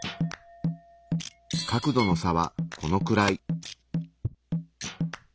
角度の差はこのくらい。